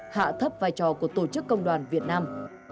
hạ thấp vai trò của tổ chức công đoàn việt nam